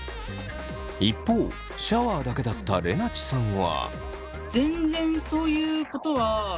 一方シャワーだけだったれなちさんは。